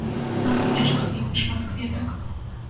На плошчах вельмі шмат кветак.